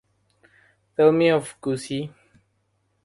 Tell me of Gussie.